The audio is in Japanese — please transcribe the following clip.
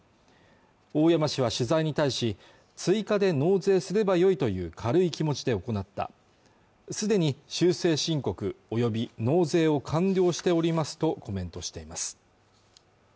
大山氏は取材に対し追加で納税すれば良いという軽い気持ちで行った既に修正申告および納税を完了しておりますとコメントしています